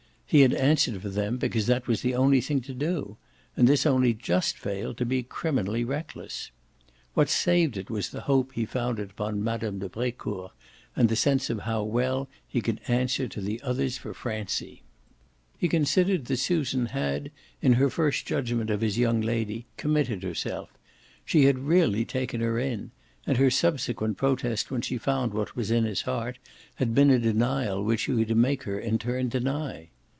He had answered for them because that was the only thing to do, and this only just failed to be criminally reckless. What saved it was the hope he founded upon Mme. de Brecourt and the sense of how well he could answer to the others for Francie. He considered that Susan had in her first judgement of his young lady committed herself; she had really taken her in, and her subsequent protest when she found what was in his heart had been a denial which he would make her in turn deny.